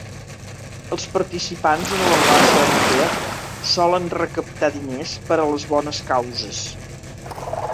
Els participants en la raça amateur solen recaptar diners per a les bones causes.